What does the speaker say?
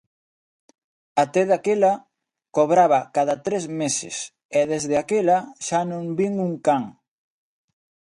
Até daquela cobraba cada tres meses, e desde aquela xa non vin un can.